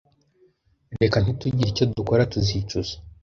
Reka ntitugire icyo dukora tuzicuza.